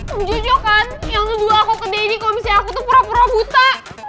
oh jojo kan yang kedua aku ke deddy kalau misalnya aku tuh pura pura buta